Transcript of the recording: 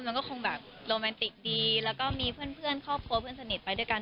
มันก็คงแบบโรแมนติกดีแล้วก็มีเพื่อนครอบครัวเพื่อนสนิทไปด้วยกัน